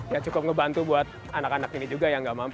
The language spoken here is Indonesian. ya cukup ngebantu buat anak anak ini juga yang nggak mampu